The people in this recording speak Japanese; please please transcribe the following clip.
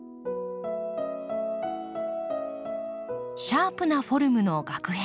シャープなフォルムのガク片。